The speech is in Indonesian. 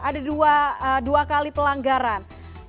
ada dua kali pelanggaran